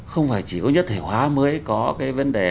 không phải chỉ có nhất thể hóa mới có cái vấn đề